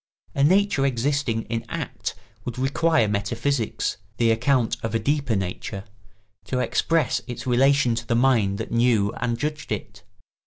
A nature existing in act would require metaphysics—the account of a deeper nature—to express its relation to the mind that knew and judged it.